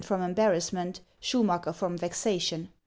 99 embarrassment, Schumacker from vexation.